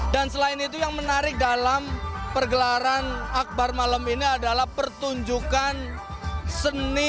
dan selain itu yang menarik dalam pergelaran akbar malam ini adalah pertunjukan seni